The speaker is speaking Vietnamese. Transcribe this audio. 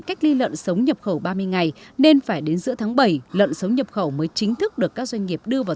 các xã cũng không có lợn để bán